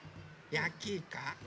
やきいか。